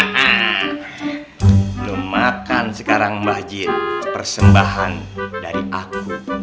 hahaha belum makan sekarang bajet persembahan dari aku